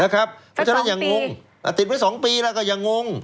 ก็จะได้ยังงงติดไว้๒ปีแล้วก็ยังงง